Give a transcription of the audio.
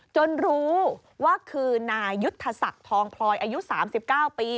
รู้ว่าคือนายุทธศักดิ์ทองพลอยอายุ๓๙ปี